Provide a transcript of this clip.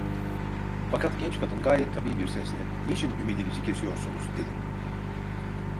Fakat genç kadın gayet tabii bir sesle: "Niçin ümidinizi kesiyorsunuz?" dedi.